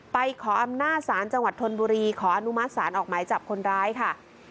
ขออำนาจศาลจังหวัดธนบุรีขออนุมัติศาลออกหมายจับคนร้ายค่ะ